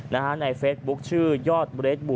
ในเฟซบุ๊กชื่อยอด